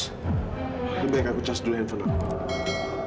lebih baik aku cas dulu handphone aku